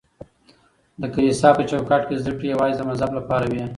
د کليسا په چوکاټ کي زده کړې يوازې د مذهب لپاره وې.